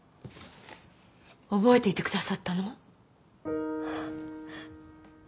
覚えていてくださったの？